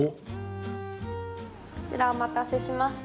こちら、お待たせしました。